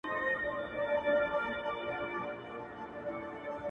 ته مي کله هېره کړې يې _